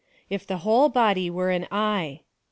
If the whole body were an eye.